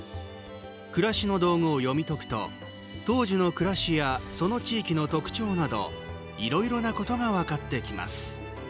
暮らしの道具を読み解くと当時の暮らしやその地域の特徴などいろいろなことが分かってきます。